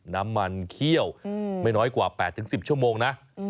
น้ำมันเคี่ยวไม่น้อยกว่า๘๑๐ชั่วโมงนะ